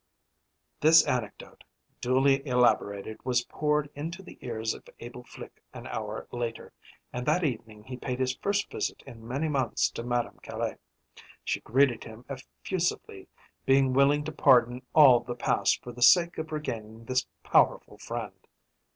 This anecdote, duly elaborated, was poured into the ears of Abel Flique an hour later, and that evening he paid his first visit in many months to Madame Caille. She greeted him effusively, being willing to pardon all the past for the sake of regaining this powerful friend.